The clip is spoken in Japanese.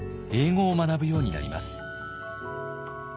英語を学ぶようになります。